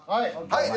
はい。